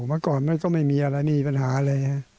เมื่อก่อนก็ไม่มีอันนี้มีปัญหาเลย่า